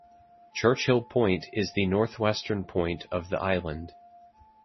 Churchill Point is the northwestern point of the island.